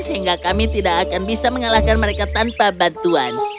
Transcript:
sehingga kami tidak akan bisa mengalahkan mereka tanpa bantuan